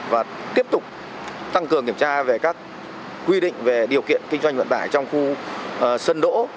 và tiếp tục tăng cường kiểm tra về các quy định về điều kiện kinh doanh vận tải trong khu sân đỗ